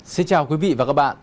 xin chào quý vị và các bạn